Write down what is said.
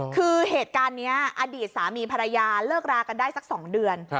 คือเหตุการณ์นี้อดีตสามีภรรยาเลิกรากันได้สัก๒เดือน